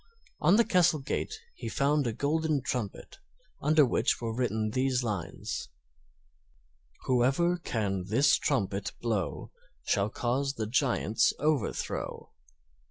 On the castle gate he found a golden trumpet, under which were written these lines: Whoever can this trumpet blow Shall cause the giant's overthrow.